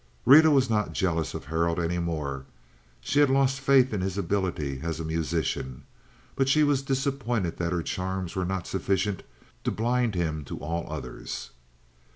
Rita was not jealous of Harold any more; she had lost faith in his ability as a musician. But she was disappointed that her charms were not sufficient to blind him to all others.